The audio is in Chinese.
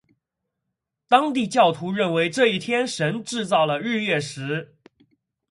当地教徒认为这一天神制造了日月食。